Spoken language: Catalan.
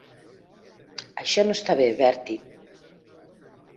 Això no està bé, Bertie.